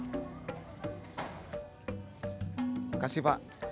terima kasih pak